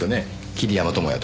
桐山友哉と。